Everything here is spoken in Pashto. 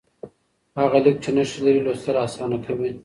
هغه لیک چې نښې لري، لوستل اسانه کوي.